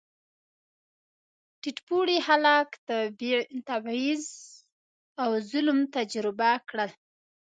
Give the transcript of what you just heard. ټیټ پوړي خلک تبعیض او ظلم تجربه کړل.